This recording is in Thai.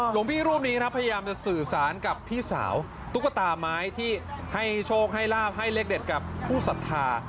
หลวงพี่รูปนี้ครับพยายามจะสื่อสารกับพี่สาวตุ๊กตาไม้ที่ให้โชคให้ลาบให้เลขเด็ดกับผู้ศรัทธา